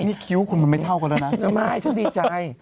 นี่คิ้วคุณมันไม่เท่ากันแล้วนะแล้วไม่ฉันดีใจ